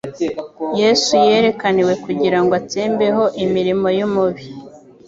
Yesu «yerekaniwe kugira ngo atsembeho imirimo y'umubi.»